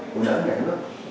chủ trương của nữ nhà nước